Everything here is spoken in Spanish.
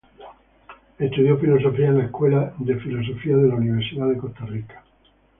Estudió filosofía en la Escuela de Filosofía de la Universidad de Costa Rica.